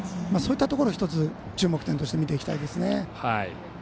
そういったところを１つ注目点として見ていきたいです。